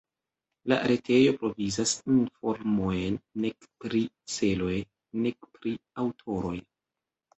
La retejo provizas informojn nek pri celoj, nek pri aŭtoroj.